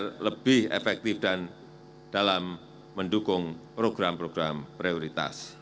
dan lebih efektif dalam mendukung program program prioritas